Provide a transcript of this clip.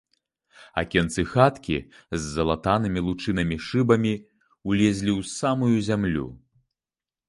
Акенцы хаткі, з залатанымі лучынамі шыбамі, улезлі ў самую зямлю.